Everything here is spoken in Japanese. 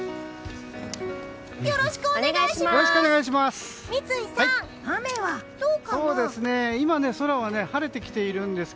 よろしくお願いします！